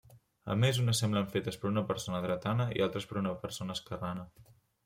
A més unes semblen fetes per una persona dretana i altres per una persona esquerrana.